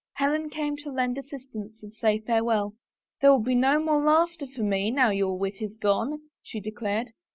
Helen came to lend assistance and say farewell. " There will be no more laughter for me now your wit is gone," she declared.